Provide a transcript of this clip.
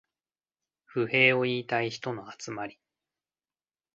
不平を言いたい人の集まり